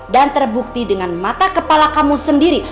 dan terbukti dengan mata kepala kamu sendiri